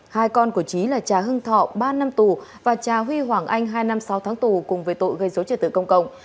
hai con của trí là cha hưng thọ ba năm tù và cha huy hoàng anh hai năm sáu tháng tù cùng với tội gây dối trật tự công cộng